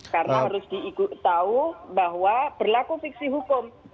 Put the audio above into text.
karena harus diikuti tahu bahwa berlaku fiksi hukum